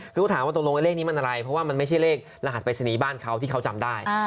ก็ถามว่าตรงโลกไอ้เลขนี้มันอะไรเพราะว่ามันไม่ใช่เลขรหัสไปสนีบ้านเขาที่เขาจำได้